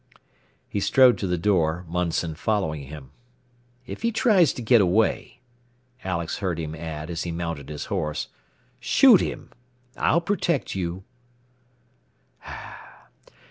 He strode to the door, Munson following him. "If he tries to get away," Alex heard him add as he mounted his horse, "shoot him! I'll protect you!"